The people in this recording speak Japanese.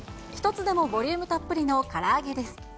１つでもボリュームたっぷりのから揚げです。